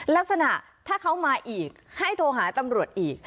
ลักษณะถ้าเขามาอีกให้โทรหาตำรวจอีก